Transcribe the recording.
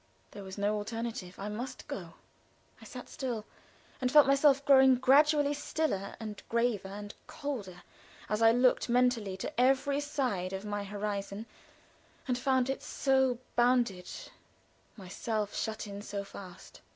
There was no alternative I must go. I sat still, and felt myself growing gradually stiller and graver and colder as I looked mentally to every side of my horizon, and found it so bounded myself shut in so fast.